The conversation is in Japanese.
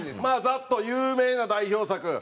まあザッと有名な代表作。